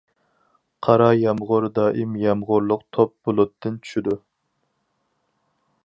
قارا يامغۇر دائىم يامغۇرلۇق توپ بۇلۇتتىن چۈشىدۇ.